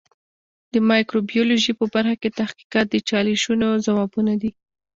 د مایکروبیولوژي په برخه کې تحقیقات د چالشونو ځوابونه دي.